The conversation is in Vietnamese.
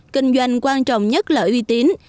kinh doanh quan trọng nhất là uy tín